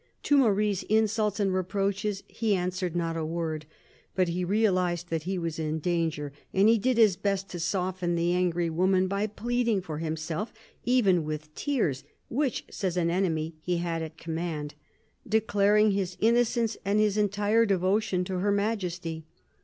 To Marie's insults and reproaches he answered not a word; but he realized that he was in danger, and he did his best to soften the angry woman by pleading for himself, even with tears — which, says an enemy, he had at command — declaring his innocence and his entire devotion to Her Majesty.